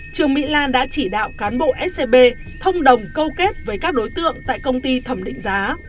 trương mỹ lan đã chỉ đạo cán bộ scb thông đồng câu kết với các đối tượng tại công ty thẩm định giá